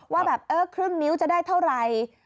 ว่าแบบเออครึ่งนิ้วจะได้เท่าไหร่